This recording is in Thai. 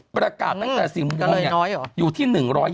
ประกาศตั้งแต่๔โมงอยู่ที่๑๒๐